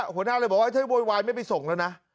หัวหน้าเลยบอกว่าเธอโวยวายไม่ไปส่งแล้วนะ